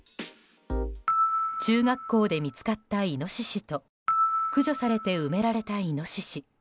中学校で見つかったイノシシと駆除されて埋められたイノシシ。